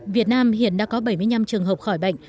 việt nam hiện đã có bảy mươi năm trường hợp khỏi bệnh